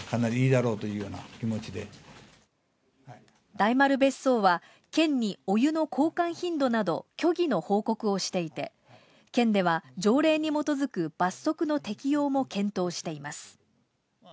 大丸別荘は県にお湯の交換頻度など虚偽の報告をしていて、県では条例に基づく罰則の適用も検討しています。